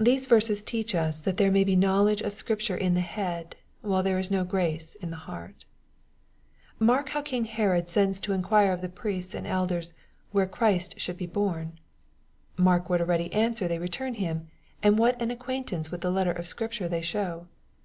These verses teach us, that there may be knowledge of Scripture in the heady while there is no grace in the heart, Mark how king Herod sends to inquire of the priests and elders "where Christ should be bom." Mark what a ready answer they return him, and what an acquaintance with the letter of Scripture they show.